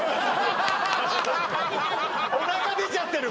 おなか出ちゃってる